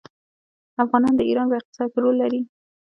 افغانان د ایران په اقتصاد کې رول لري.